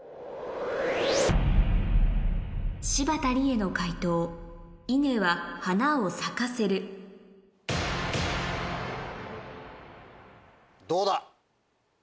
柴田理恵の解答イネは花を咲かせるどうだ？